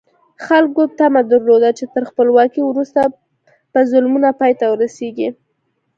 خلکو تمه درلوده چې تر خپلواکۍ وروسته به ظلمونه پای ته ورسېږي.